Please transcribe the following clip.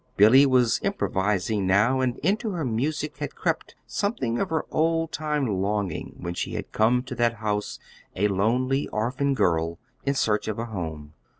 Billy was improvising now, and into her music had crept something of her old time longing when she had come to that house a lonely, orphan girl, in search of a home.